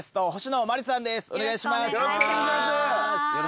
よろしくお願いします。